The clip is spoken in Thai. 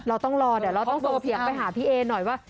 เราต้องรอเดี๋ยวเราต้องส่งเสียงไปหาพี่เอหน่อยว่า